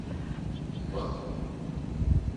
Ik wacht op je.